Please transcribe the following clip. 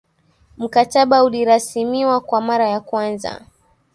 mkataba ulirasimiwa kwa mara ya kwanza